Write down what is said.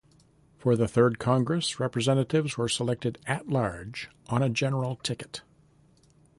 For the third Congress Representatives were selected At-large on a general ticket.